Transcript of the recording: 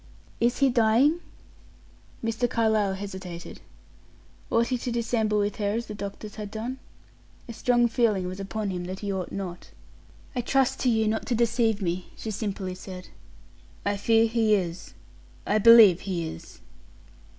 "Is he dying?" Mr. Carlyle hesitated. Ought he to dissemble with her as the doctors had done? A strong feeling was upon him that he ought not. "I trust to you not to deceive me," she simply said. "I fear he is I believe he is."